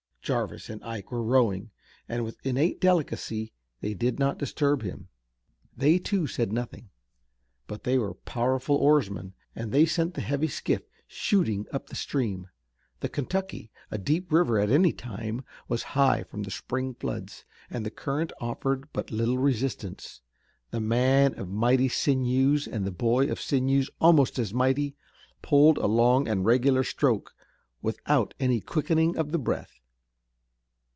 Jarvis and Ike were rowing and with innate delicacy they did not disturb him. They, too, said nothing. But they were powerful oarsmen, and they sent the heavy skiff shooting up the stream. The Kentucky, a deep river at any time, was high from the spring floods, and the current offered but little resistance. The man of mighty sinews and the boy of sinews almost as mighty, pulled a long and regular stroke, without any quickening of the breath.